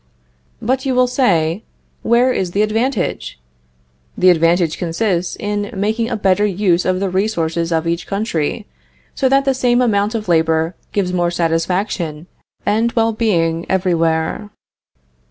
But, you will say, where is the advantage? The advantage consists in making a better use of the resources of each country, so that the same amount of labor gives more satisfaction and well being everywhere.